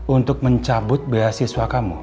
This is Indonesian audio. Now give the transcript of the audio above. untuk mencabut beasiswa kamu